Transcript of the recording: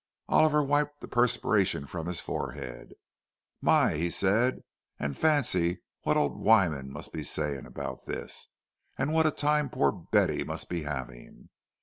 Oliver wiped the perspiration from his forehead. "My!" he said.—"And fancy what old Wyman must be saying about this! And what a time poor Betty must be having!